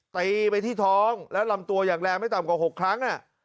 ตีไปที่ท้องและลำตัวอย่างแรงไม่ต่ำกว่า๖ครั้ง